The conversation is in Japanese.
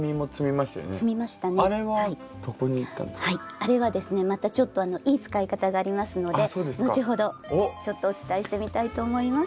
あれはですねまたちょっといい使い方がありますので後ほどお伝えしてみたいと思います。